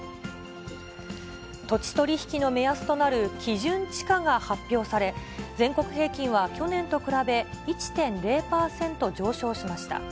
土地取り引きの目安となる基準地価が発表され、全国平均は去年と比べ１．０％上昇しました。